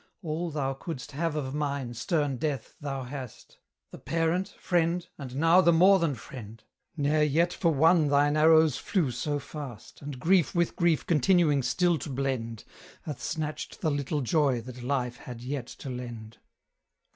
All thou couldst have of mine, stern Death, thou hast: The parent, friend, and now the more than friend; Ne'er yet for one thine arrows flew so fast, And grief with grief continuing still to blend, Hath snatched the little joy that life had yet to lend.